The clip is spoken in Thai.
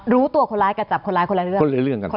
รู้ตัวคนร้ายกับจับคนร้ายคนละเรื่อง